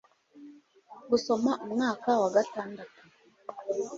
Gusoma umwaka wa gatandatu